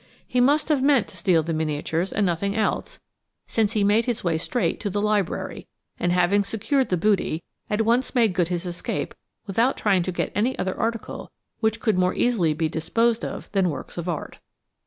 He must have meant to steal the miniatures and nothing else, since he made his way straight to the library, and, having secured the booty, at once made good his escape without trying to get any other article which could more easily be disposed of than works of art.